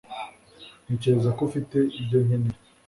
ntekereza ko ufite ibyo nkeneye